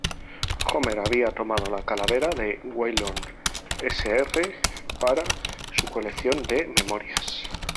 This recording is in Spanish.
Homer había tomado la calavera de Waylon Sr. para su colección de "Memorias".